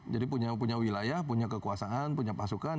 punya wilayah punya kekuasaan punya pasukan